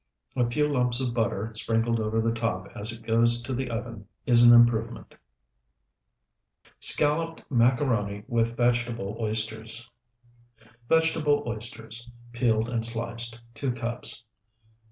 A few lumps of butter sprinkled over the top as it goes to the oven is an improvement. SCALLOPED MACARONI WITH VEGETABLE OYSTERS Vegetable oysters, peeled and sliced, 2 cups.